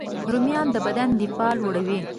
رومیان د بدن دفاع لوړوي